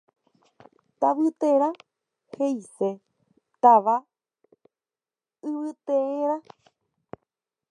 Tavyterã heʼise “táva yvyteerã”.